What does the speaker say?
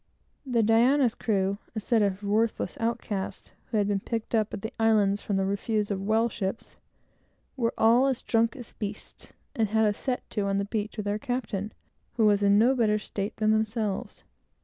The Diana's crew, a set of worthless outcasts, who had been picked up at the islands from the refuse of whale ships, were all as drunk as beasts, and had a set to, on the beach, with their captain, who was in no better state than themselves.